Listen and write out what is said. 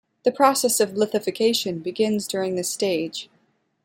The process of "lithification" begins during this stage.